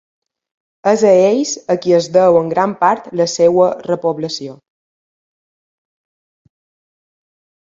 És a ells a qui es deu en gran part la seua repoblació.